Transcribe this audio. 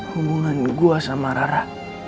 hubungan gua sama rara